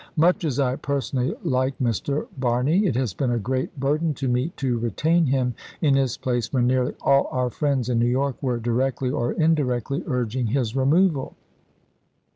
Much as I personally like Mr. Barney, it has been a great burden to me to retain him in his place when nearly all our friends in New York were directly or indirectly urg ing his removal.